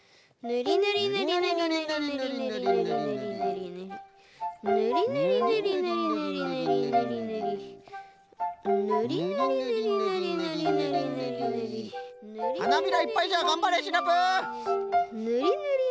ぬりぬりぬりぬり。